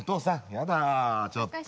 やだちょっと。